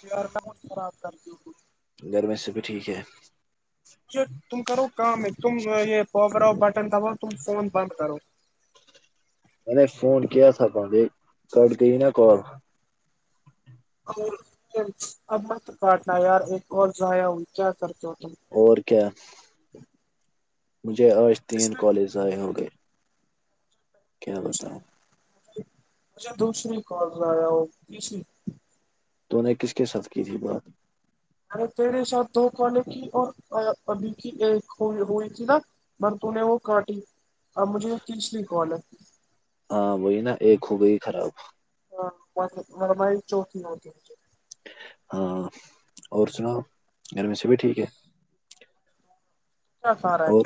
pair ڈٹ خراب کرتی تھی گرمی سے بھی ٹھیک ہے کہ تم کرو کام تم یہ پکرؤ بٹن دب ت فون بند کرو میں نے فون کیا تھا ب ج کٹ گئی نا کال اور ابت کاٹیار ایک اور ضائع ہوئی کیا کرتے ہو تم اور کیا مجھے آج اس تین میں کالج ضائع ہو گئے کیا بتا [unintelligible] مجھے دوسری کالز آیا وہ تیسری تو نے کس کے ساتھ کی تھی بات ارے تیرے ساتھ دو کے کی اور ابھی کی ایک ہوئی تھی نا م تو نے وہ کاٹی اب مجھے یہ تیسو کال ہے ہاں وہی نا ایک ہو گئی خراب ہاں مربائی چوکی ہوتی مجھے ہاں اور سناو گھر میں سےبھی ہ [inaudible] اا سارا ہے اور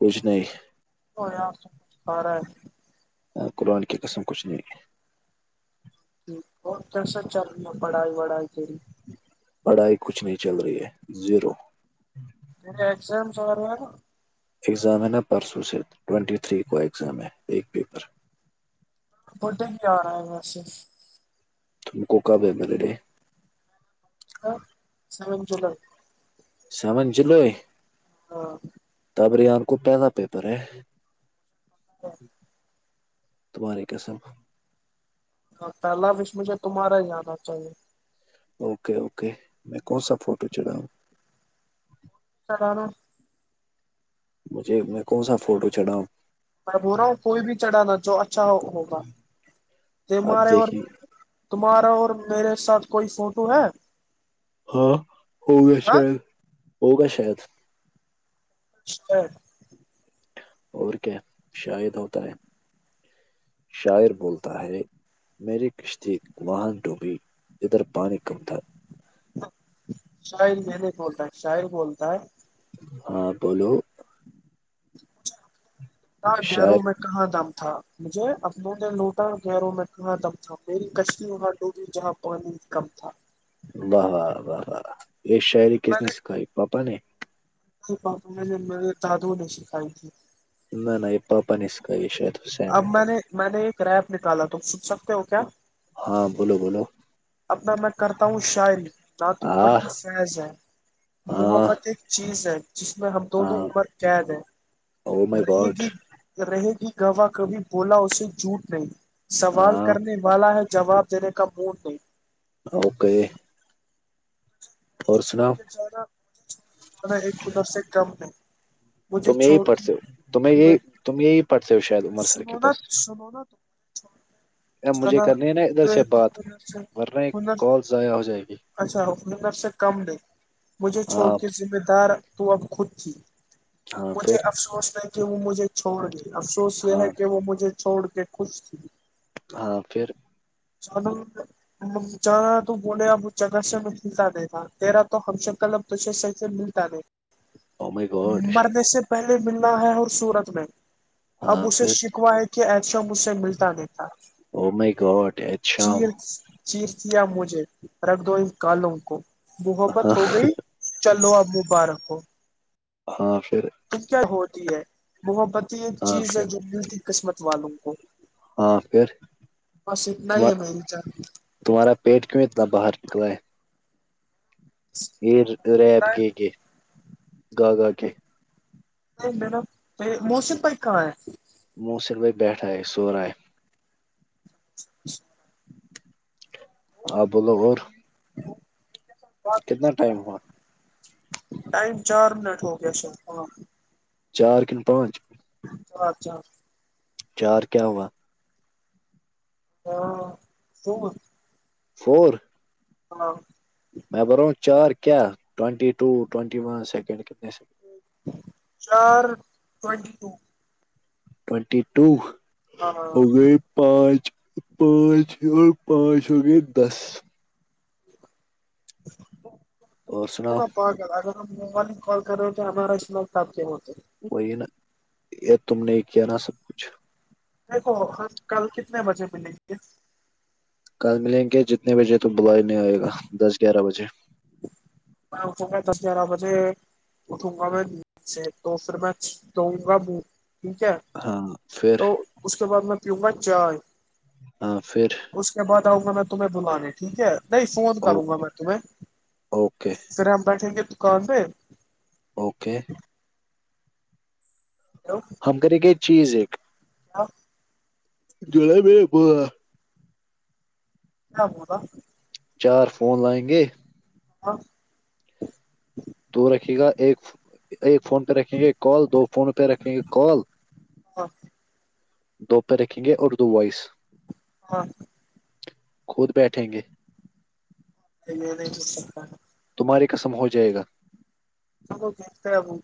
کچھ نہیں ہو س سارا ہے قرآن کی قسم کچھ نہیں ج اور کیسا چل رہی ہے پڑھائی وڑھائی کے لیے پڑھائی کچھ نہیں چل رہی ہے زیرو ج ایگسامس ایگزام ہے نا پرسوں سے ٹین تھری کا ایگزام ہے ایک پیپر بٹے کی کیا آ رہا ہے وسے تم کوکب میرے ہاں سام جلہلہ [unintelligible] سیون جول ہاں تب ریان کو پہیدا پیپر ہے تمہارے کیا سب پہلا وش مجھے تمہارا ہی ج آانا چاہیے اوکے اوکے میں کون سا فوٹو چڑھا ہوں سرانا [unintelligible] مجھے میں کون سا فوٹو چڑا ہوں میں ب رہا ہوں کوئی بھی چڑھانا جو اچھا ہوگا ج آپ مارے اور دیکھیں گے تمہارا اور میرے ساتھ کوئی فوٹو ہے ہاں ہو گا ہاں شاید ہوگا شاید اچ [unintelligible] اور کیا شار ہوتا ہے شاعر بولتا ہے میری کشتی واہن ڈوبی ادھر پانی کم تھا شاہل میں نے بولتا ہے شاہل بولتا ہے ہاں بولو ہاں ڈرو شاعر میں کہاں دم تھا مجھے اپنوں نے لوٹا گہروں میں کہاں دم تھا میری کشتی وہاں ڈوبی جہاں اور کم تھا [unintelligible] واہ واہ یہ شاعری کس نے سکھائی پاپا نے بپا میں نے میرے دادو نے سکھائی تھی ان نہیںائ پاپا نس کا یہ شاید حس اب میں نے میں نے ایک ریپ نکالا تو پوچھ سکتے ہو کیا ہاں بولو بولو اپنا میں کرتا ہوں شاعری نہ تو ہاں پڑھتی سیز ہے وہ ہاں بت ایک چیز ہے جس میں ہم دونوں ہاں عمر قید ہے او مائی رہے گاڈ گی رہے گی گواہ کبھی بولا اسے جھوٹ نہیں سوال ہاں کرنے والا ہے جواب جیرے کابور نہیں اوکے [unintelligible] مجھے اور چھو سناؤ کے جانا مجھے چھو کے جانا ایک خد سے کم ہے [unintelligible] تم یہی پڑھتے ہو تمہیں یہی تم یہی پڑھتے ہو شاید عمر سر کے پاس س ب ہونا تو [unintelligible] اب مجھے کرنی ہے نا ادھر تو سے ایک بات ہنر سے مر رہے ہیں ہنر کال ضائع ہو جائے گی اچھا اپر سے کم نہیں مجھے ہاں چھوٹیے ذمہ دار [unintelligible] تو اب خود تھی ہاں مجھے پھر افسوس ہے کہ وہ مجھے چھوڑ گئی افسوس یہ ہاں ہے کہ وہ مجھے چھوڑ کے خوش تھی ہاں پھر چلو چ تو بولے آپ [unintelligible] جگاش میں ملتا نہیں تھا تیرا تو ہمش کلب تش سے ملتا نہیں او مائی گاڈ [unintelligible] مرنے سے پہلے ملنا ہے ہر صورت میں اب ہاں اسے پھر شکوا ہے ایشو مجھ سے ملتا نہیں تھا او مائی گاڈ ایت چی شام [unintelligible] چیخ دیا مجھے رکھ دو اس کالوں کو ہاں محبت ہو گئی [unintelligible] چلو اب مبارک ہو ہاں پھر تم کیا ہوتی ہے محبت ایک ہاں چیز ہے پھر جو ملتی قسمت والوں کو ہاں پھر بس اتنا ہی ہے تمہا- میری جان تمہارا پیٹ کیوں اتنا باہر نکلا ہے یہ ریب گ جان کہ گا گا کے [unintelligible] ما موسن بائی کہاں ہے محسن بائی بیٹھا ہے سورہا ہے [unintelligible] [inaudible] ہپ بولو اور [unintelligible] کتنا ٹائم ہوا ٹائم چار منٹ ہو گیا سر ہونا چار کن پانچ چ اچھاچ [unintelligible] چار کیا ہوا ہاں س [unintelligible] فور ہاں [unintelligible] [inaudible] میں بروں چار کیا ٹ سیکڈ [unintelligible] چار ٹینٹی ٹو ٹی ٹو ہاں ہو گ [unintelligible] پانچ پانچ ہ پانچ ہو گے دس [unintelligible] اور سناؤ کال کر اگر ہم موبائل کال کر رہے ہو تو ہمارا اسمٹپ کے ہوتے ہے [unintelligible] وہی نا یہ تم نے کیا نا سب کچھ دیکھو ہم کل کتنے بجے ملیں گے کل ملیں گے جتنے بجے تو بلا ہی نہیں آئے گا دس گیارہ بجے ہاں دس گیارہ بجے اٹھوں گا میں نچ سے تو پھر میں دو گا م ٹھیک ہے ہاں پھر تو اس کے بعد میں پیوںں گا چائے ہاں پھر اس کے بعد آؤں گا میں تمہیں بلانے ٹھیک ہے نہیں فون کروں گا میں تمہیں اوکے توھر ہم بٹھیں گے دکان پے اوکے ہیلو ہم کر گ چیز ایک کیا [unintelligible] جوڑ ہے بھی [unintelligible] وہ [unintelligible] ہاں بولو [unintelligible] چار فون لائیں گے ہاں [unintelligible] دو رکھے گا ایک ایک فون پہ رکھیں گے کال دو فون پہ رکھیں گے کال ہاں دو پہ رکھیں گے اور دو وائس ہاں خود بیٹھیں گے یہ نہیں کر سکتا [unintelligible] تمہاری قسم ہو جائے گا دیکھتا ہے وہ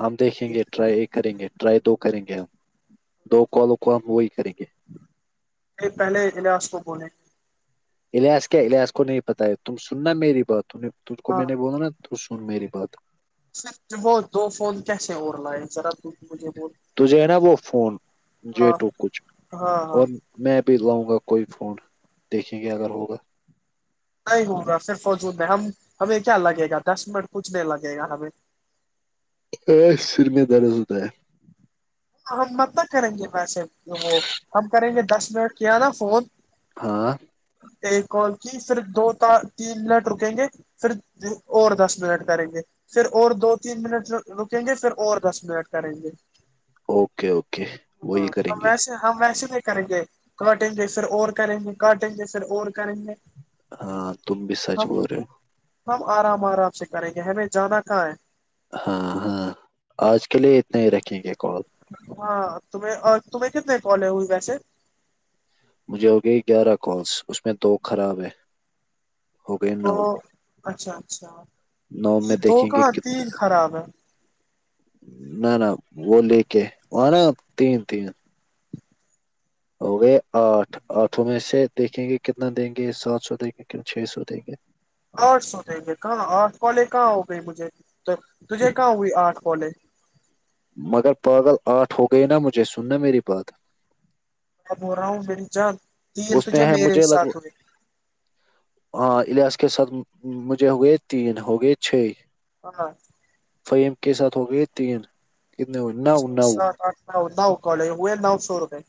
ہم دیکھیں گے دیکتا ہے ٹرائی [unintelligible] ایک کریں گے ٹرائی دو کریں گے ہم دو کالوں کو ہم وہی کریں گے پہلے اللاس کو بولے اس کیا اس کو نہیں پتا ہے تم سننا میری بات ت کو ہاں میں نے بول نا تو سن میری بات سر وہ دو فون کیسے ا لا ہے ذرا تو مجھے وہ تو جو ہے نا وہ فون جی ٹو کچھ ہاں ہاں اور میں بھیہ لاؤں گا کوئی فون دیکھیں گے اگر ہوگا نہیں ہوگا پھر فوجود میں ہم ہمیں کیا لگے گا دس منٹ کچھ نہیں لگے گا ہمیں ا سر میں دراز ہوتا ہے ہم مت نہ کریں گے ویسے وہ ہم کریں گے دس منٹ کیا نا فون ہاں ایک اور کی پھر دو ت تین لنٹ رکیں گے پھرن اور دس منٹ کریں گے پھر اور دو تین منٹ رکیں گے پھر اور دس منٹ کریں گے اوکے اوکے وہی کریں ہم گے ویسے ہم ویسے نہیں کریں گے کٹنگ جیسے اور کریں گے کٹنگ جیسے اور کریں گے ہاں تمس سج ہم ہوے ہم آرام آرام سے کریں گے ہمیں جانا کہاں ہے ہاں ہاں آج کے لیے اتنا ہی رکھیں گے کال ہاں تمیں اور تمہیں کتنے کالے ہوئی ویسے مجھے ہوگئی گیارہ کالس اس میں دو خراب ہے ہو گئے تو نو اچھا اچھا نو یہ میں دو دیکھیں گے کہاں تین خراب ہے نہ نہ وہ لے کے وہ نا تین تین ہو گئے آٹھ آٹھوں میں سے دیکھیں گے کتنا دیں گے سات سو دیں گے چھ سو دیں گے آرٹس ہو دیں گے کہاں آرٹس کالج کہاں ہو گئی مجھے تو تجھے کہاں ہوئی آرٹھ کالج مگر پاگل آٹھ ہو گئی نا مجھے سننا میری بات اب ہو رہا ہوں میری جان تین اس تجھے میں ہے میرے ہی مجھے ساتھ لگ ہوئے ہاں ایاس کے ساتھ مجھے ہوگئے تین ہوگئے چھ ہاں فہیم کے ساتھ ہو گئی تین کتنے ہو [unintelligible] چھ سات آٹھ نو نو کالے ہوئے نو سو روپئے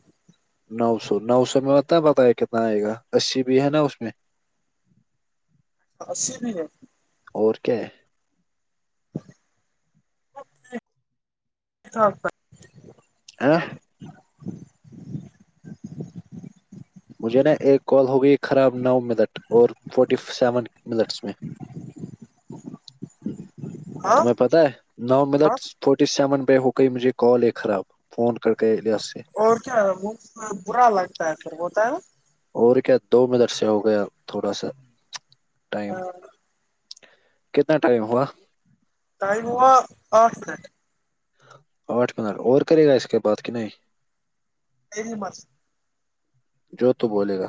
نو سو نو سو میں ہوتا ہے بتایا کتنا آئے گا اسی بھی ہے نا اس میں [inaudible] [inaudible] ای بھی ہے اور کیا ہے سپ [unintelligible] آ [unintelligible] مجھے نا ایک کال ہو گئی خراب نو منٹ اور فورٹی سیون منٹس میں [inaudible] [unintelligible] ہاں تمہیں پتہ ہے نو ملٹ ہاں فورٹی سیون پہ ہو گئی مجھے کال ہے خراب فون کٹ گیا الیاس سے اور کیا پھر وہ برا لگتا ہے پر ہوتا ہے اور کیا دو منٹ سے ہو گیا تھوڑا سا ٹائم کتنا ٹائم ہوا ائم وہا آٹ پٹ آٹھ منٹ اور کرے گا اس کے بعد کہ نہیں یہ بھی مر [unintelligible] جو تو بولے گا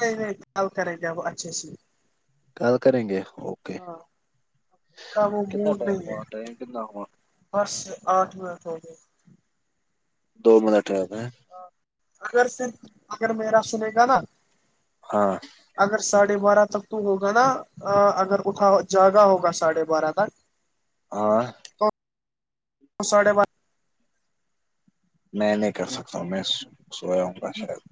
نہیں نہیں کل کریں گا وہ اچھے سے [unintelligible] آلکار گے [unintelligible] ہاں وہ کتنا مڈ ٹائم نہیں ہے ہوا ٹائم کتنا ہوا پرس سے آٹھ منٹ ہو گئے [unintelligible] دو منٹا ہے [unintelligible] ہ اگر سے اگر میرا سنے گا نا ہاں اگر ساڑھے بارہ تک تو ہوگا نا اگر اٹھا جگہ ہوگا ساڑھے بارہ تک ہ [unintelligible] تو ساھے بچ [inaudible] [unintelligible] میں نہیں کر سکتا ہوں میں سویا ہوں گا شاید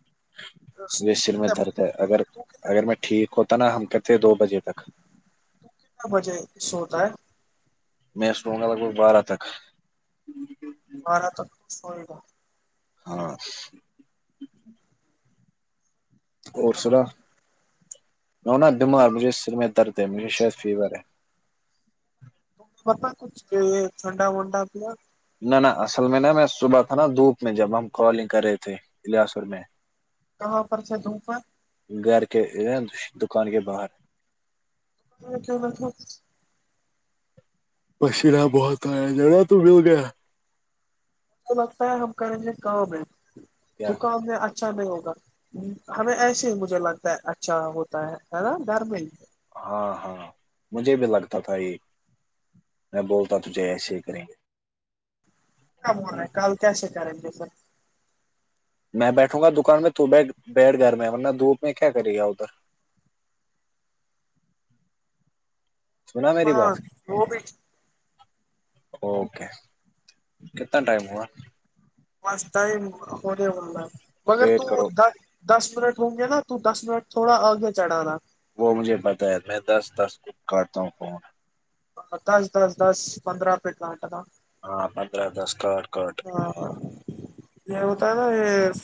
بارہ مجھے سر میں کتنے در بجے اگر تو کتنے اگر میں ٹھیک ہوتا نا ہم کہتے ہیں دو بجے تک کتنا بجے سوتا ہے میں سوں گا لگ بھگ بارہ تک بارہ تک سوئے گا ہاں اور سنا ن نا تم بیمار مجھے سر میں درد ہے مجھے شاید فیور ہے پت کچھ ٹھنڈا ونڈا پ [unintelligible] نہ نہ اصل میں نا میں صبح تھا نا دھوپ میں جب ہم کالنگ کر رہے تھے الیاس اور میں کہاں پر سے د پر [unintelligible] گھر کے دکان کے باہر ا ہ [unintelligible] [inaudible] پچین بہت آیا ج نا ت مل گیا [unintelligible] لگتا ہے ہم کریں گے کام ہے کیا دکام میں اچا [unintelligible] اچھا نہیں ہوگا ہمیں ایسے ہی مجھے لگتا ہے اچھا ہوتا ہے نا گھر میں ہی ہاں ہاں مجھے بھی لگتا تھا یہ میں بولتا تجھے ایسے ہی کریں گے کیاب ہول رہا ہے کل کیسے کریں گے سر میں بیٹھوں گا دکان میں تو بیٹھ بیٹھ گئے میں ورنہ دھوپ میں کیا کرے گا ادھر سنا میری ہاں بات وہ بھی اوکے کتنا ٹائم ہوا بس ٹائم ہونے والا ہے مگر ویٹ تو کرو دس منٹ ہوں گے نا تو دس منٹ تھوڑا آگے چڑھانا وہ مجھے پتا ہے میں دس دس کو کڑتا ہوں فون دس دس دس پندرہ پے کاٹنا ہاں پندرہ دسکار کوٹ ہاں یہ ہوتا ہے نا یہ ف